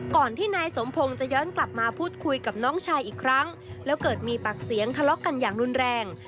ก่อนที่นายสมพงศ์จะย้อนกลับมาพูดคุยกับน้องชายอีกครั้งแล้วเกิดมีปากเสียงทะเลาะกันอย่างรุนแรง